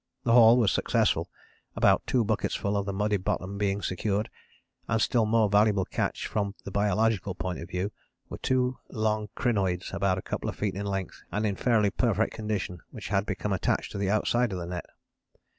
The haul was successful, about two bucketsful of the muddy bottom being secured, and a still more valuable catch from the biological point of view were two long crinoids, about a couple of feet in length and in fairly perfect condition, which had become attached to the outside of the net.